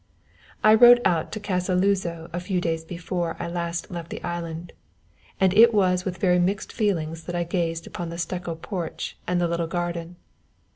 I rode out to Casa Luzo a few days before I last left the island, and it was with very mixed feelings that I gazed on the stucco porch and the little garden.